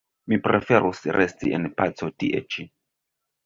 Mi preferus resti en paco tie ĉi.